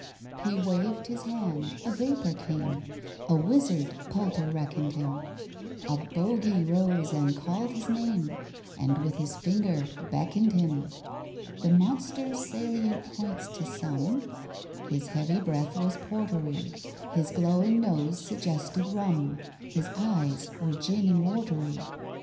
He waved his hand—a vapour came— A wizard POLTER reckoned him; A bogy rose and called his name, And with his finger beckoned him. The monster's salient points to sum,— His heavy breath was portery: His glowing nose suggested rum: His eyes were gin and _wor_tery.